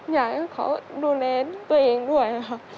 อยากให้เขาดูแลตัวเองด้วยค่ะ